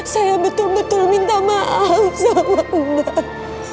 saya betul betul minta maaf sama allah